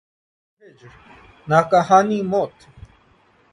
وصل کو ہجر ، ناگہانی موت